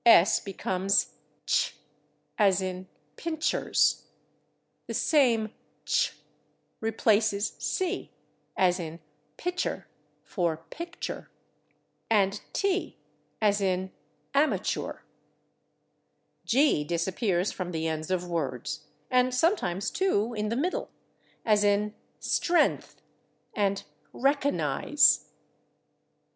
S/ becomes /tsh/, as in /pincers/. The same /tsh/ replaces /c/, as in /pitcher/ for /picture/, and /t/, as in /amachoor/. /G/ disappears from the ends of words, and sometimes, too, in the middle, as in /stren'th/ and /reco'nize